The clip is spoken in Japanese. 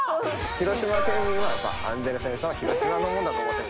広島県民はアンデルセンさんは広島のものだと思ってる。